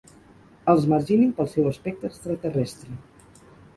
Els marginin pel seu aspecte extraterrestre.